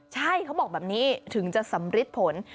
ใช่เขาบอกแบบนี้ถึงจะสำริดผล